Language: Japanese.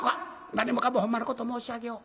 何もかもほんまのこと申し上げよう。